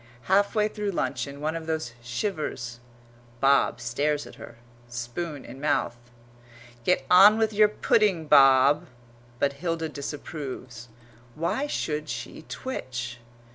Halfway through luncheon one of those shivers; Bob stares at her, spoon in mouth. "Get on with your pudding, Bob;" but Hilda disapproves. "Why should she twitch?"